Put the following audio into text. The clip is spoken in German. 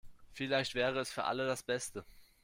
Vielleicht wäre es für alle das Beste.